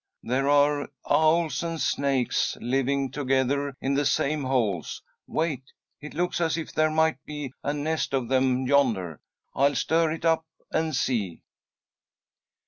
There are owls and snakes living together in the same holes. Wait! It looks as if there might be a nest of them yonder. I'll stir it up and see."